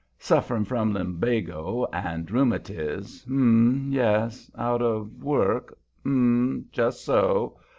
'Suffering from lumbago and rheumatiz' um, yes. 'Out of work' um, just so.